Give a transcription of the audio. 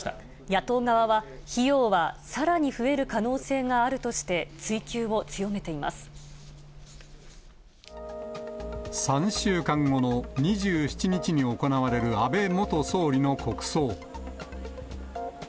野党側は、費用はさらに増える可能性があるとして、３週間後の２７日に行われる安倍元総理の国葬。